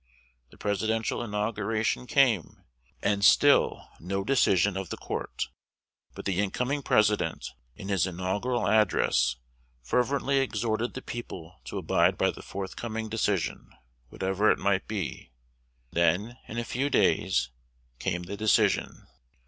The Presidential inauguration came, and still no decision of the court; but the incoming President, in his inaugural address, fervently exhorted the people to abide by the forthcoming decision, whatever it might he. Then, in a few days, came the decision.